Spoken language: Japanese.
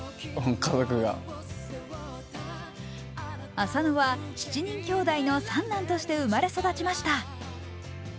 浅野は７人きょうだいの三男として生まれました。